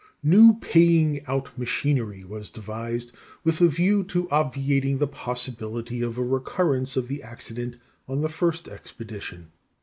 _ New paying out machinery was devised with a view to obviating the possibility of a recurrence of the accident on the first expedition.